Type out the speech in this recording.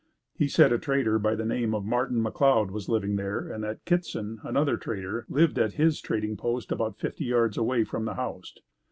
He said a trader by the name of Martin McLeod was living there and that Kittson, another trader, lived at his trading post about fifty yards away from the house.